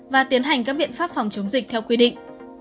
và tiến hành các biện pháp phòng chống dịch theo quy định